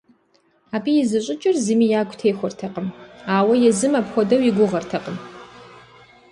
Абы и зыщӏыкӏэр зыми ягу техуэртэкъым, ауэ езым апхуэдэу и гугъэтэкъым.